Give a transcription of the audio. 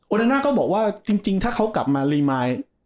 เดินน่าก็บอกว่าจริงถ้าเขากลับมารีมาย